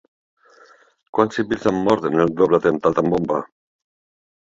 Quants civils han mort en el doble atemptat amb bomba?